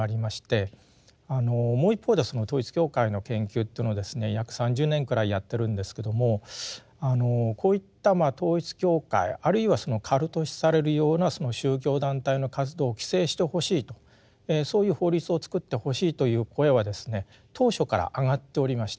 もう一方ではその統一教会の研究というのをですね約３０年くらいやってるんですけどもこういった統一教会あるいはカルト視されるような宗教団体の活動を規制してほしいとそういう法律を作ってほしいという声は当初から上がっておりました。